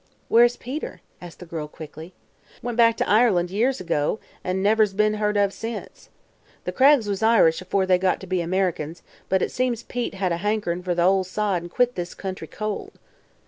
"Where is Peter?" asked the girl quickly. "Went back to Ireland, years ago, and never's be'n heard of since. The Craggs was Irish afore they got to be Americans, but it seems Pete hankered fer th' Ol' Sod an' quit this country cold."